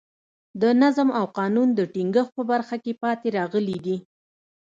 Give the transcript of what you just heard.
د نظم او قانون د ټینګښت په برخه کې پاتې راغلي دي.